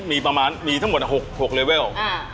มีประมาณมีทั้งหมด๖เลเวล